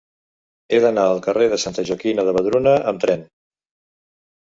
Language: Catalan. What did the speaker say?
He d'anar al carrer de Santa Joaquima de Vedruna amb tren.